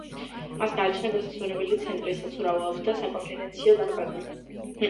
მას გააჩნია დასასვენებელი ცენტრი, საცურაო აუზი და საკონფერენციო დარბაზი.